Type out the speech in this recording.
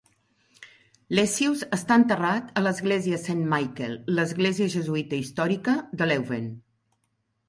Lessius està enterrat a l'església Saint Michael, l'església jesuïta històrica de Leuven.